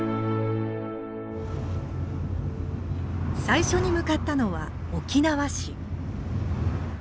最初に向かったのは沖縄市。